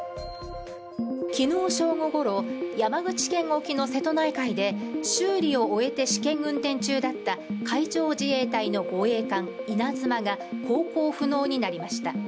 昨日正午ごろ山口県沖の瀬戸内海で修理を終えて試験運転中だった海上自衛隊の護衛艦「いなづま」が航行不能になりました。